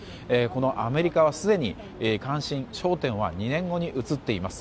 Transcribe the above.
このアメリカはすでに関心焦点は２年後に移っています。